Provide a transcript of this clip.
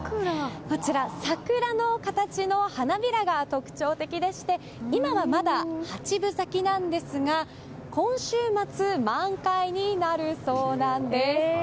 桜の形の花びらが特徴的でして今はまだ八分咲きなんですが今週末、満開になるそうなんです。